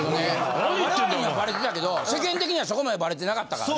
我々にはバレてたけど世間的にはそこまでバレてなかったからね。